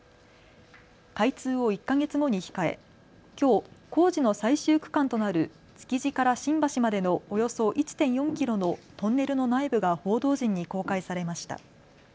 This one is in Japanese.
開通を１か月後に控え、きょう工事の最終区間となる築地から新橋までのおよそ１．４キロのトンネルの内部が報道陣に公開されました。